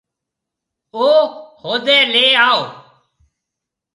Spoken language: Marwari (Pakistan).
او هودَي ليَ آئو۔